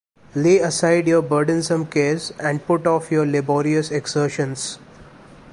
Lay aside your burdensome cares and put off your laborious exertions.